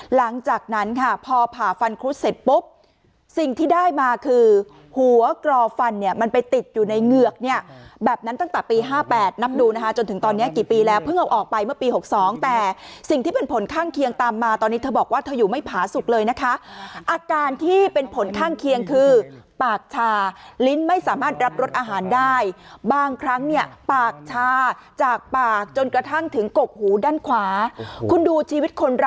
หลังจากนั้นค่ะพอผ่าฟันคุดเสร็จปุ๊บสิ่งที่ได้มาคือหัวกรอฟันเนี่ยมันไปติดอยู่ในเงือกเนี่ยแบบนั้นตั้งแต่ปี๕๘นับดูนะคะจนถึงตอนนี้กี่ปีแล้วเพิ่งออกไปเมื่อปี๖๒แต่สิ่งที่เป็นผลข้างเคียงตามมาตอนนี้เธอบอกว่าเธออยู่ไม่ผาสุขเลยนะคะอาการที่เป็นผลข้างเคียงคือปากชาลิ้นไม่สามารถรับรสอาหารได้